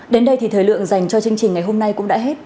đến đây thì thời lượng dành cho chương trình ngày hôm nay cũng đã hết